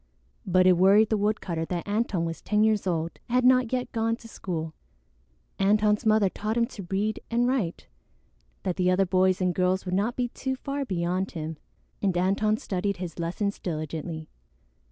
But it worried the woodcutter that Antone was ten years old and had not yet gone to school. Antone's mother taught him to read and write, that the other boys and girls would not be too far beyond him, and Antone studied his lessons diligently.